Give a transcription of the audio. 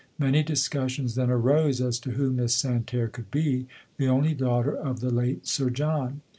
Many discussions then arose as to who Miss San terre coidd be. " The only daughter of the late Sir John."